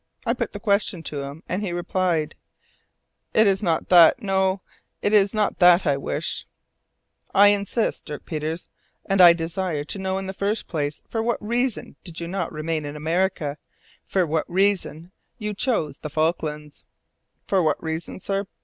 I put the question to him, and he replied, "It is not that; no, it is not that I wish " "I insist, Dirk Peters, and I desire to know in the first place for what reason you did not remain in America, for what reason you chose the Falklands " "For what reason, sir?